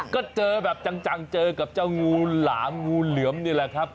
ก็เจอแบบจังเจอกับเจ้างูหลามงูเหลือมนี่แหละครับ